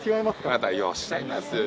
またようおっしゃいます。